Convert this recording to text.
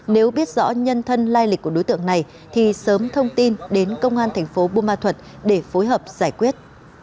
nếu biết rõ nhân thân lai lịch của đối tượng này thì sớm thông tin đến công an tp bùa ma thuật để phối hợp giải quyết